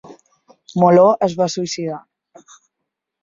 Moló es va suïcidar.